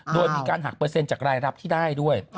โดยมีการหักเปอร์เซ็นต์จากรายรับที่ได้ด้วย